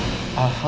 tidak ada apa apa